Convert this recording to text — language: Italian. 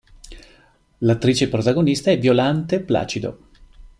L'attrice protagonista è Violante Placido.